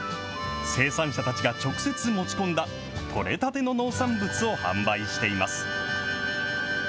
生産者たちが直接持ち込んだ取れたての農産物を販売しています。